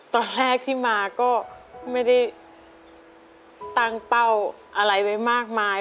ตอนแรกที่มาก็ไม่ได้ตั้งเป้าอะไรไว้มากมาย